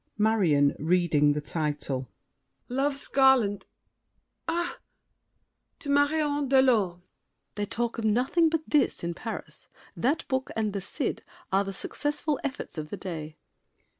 MARION (reading the title). "Love's Garland"—ah! "To Marion de Lorme." SAVERNY. They talk of nothing But this in Paris. That book and "The Cid" Are the successful efforts of the day.